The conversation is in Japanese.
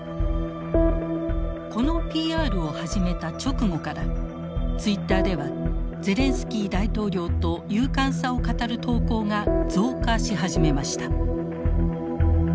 このＰＲを始めた直後からツイッターではゼレンスキー大統領と勇敢さを語る投稿が増加し始めました。